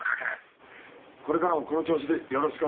これからもこの調子でよろしくお願いします。